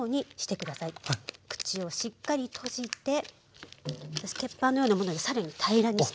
口をしっかり閉じて鉄板のようなもので更に平らにして。